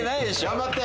頑張って！